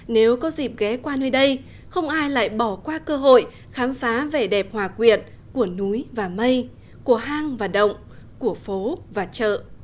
nếu có dịp ghé qua nơi đây không ai lại bỏ qua cơ hội khám phá vẻ đẹp hòa quyện của núi và mây của hang và động của phố và chợ